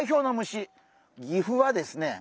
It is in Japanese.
岐阜はですね